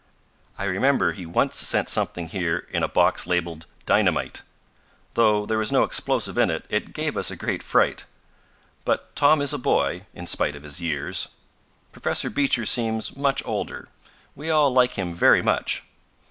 I remember he once sent something here in a box labeled 'dynamite.' Though there was no explosive in it, it gave us a great fright. But Tom is a boy, in spite of his years. Professor Beecher seems much older. We all like him very much."